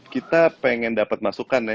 kita pengen dapat masukan ya